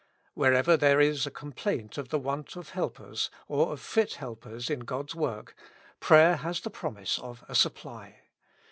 Wherever there is a complaint of the want of helpers, or of fit helpers in God's work, prayer has the promise of a supply.